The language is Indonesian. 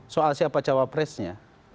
soal siapa cawapresnya